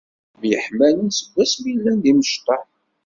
Myeḥmalen seg wasmi llan d imecṭaḥ